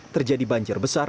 terjadi banjir besar